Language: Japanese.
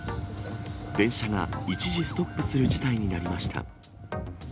電車が一時ストップする事態になりました。